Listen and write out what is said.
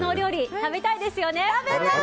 食べたい！